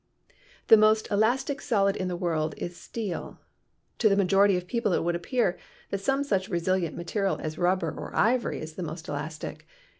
The most elastic solid in the world is steel. To the majority of people it would appear that some such resilient material as rubber or ivory is the most elastic.